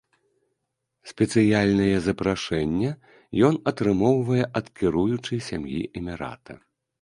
Спецыяльнае запрашэнне ён атрымоўвае ад кіруючай сям'і эмірата.